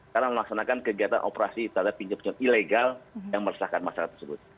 karena melaksanakan kegiatan operasi tanda pinjam pinjam ilegal yang meresahkan masyarakat tersebut